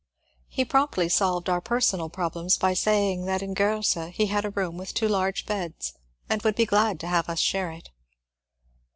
He promptly solved our personal problems by saying that in Gorze he had a room with two large beds and would be glad to have us share it.